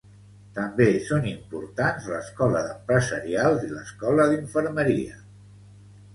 També són importants l'escola d'empresarials i l'escola d'infermeria.